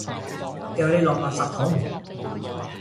掉你落垃圾桶！